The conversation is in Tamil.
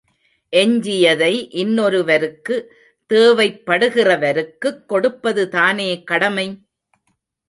எஞ்சியதை இன்னொருவருக்கு தேவைப் படுகிறவருக்குக் கொடுப்பதுதானே கடமை?